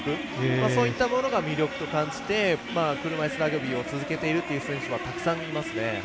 そういったものが魅力と感じて車いすラグビーを続けているという選手はたくさんいますね。